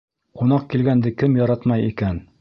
Ҡунаҡ килгәнде кем яратмай икән!